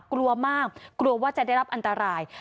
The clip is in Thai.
กลัวมากกลัวว่าจะได้รับอันตราย